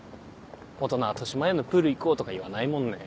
大人はとしまえんのプール行こうとか言わないもんね。